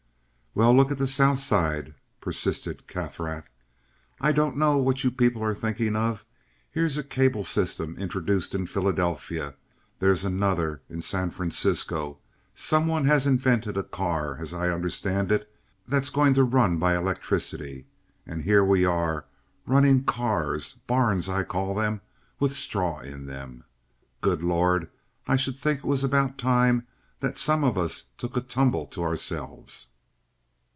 "Well, look at the South Side," persisted Kaffrath. "I don't know what you people are thinking of. Here's a cable system introduced in Philadelphia. There's another in San Francisco. Some one has invented a car, as I understand it, that's going to run by electricity, and here we are running cars—barns, I call them—with straw in them. Good Lord, I should think it was about time that some of us took a tumble to ourselves!"